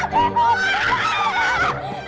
gina kemana sih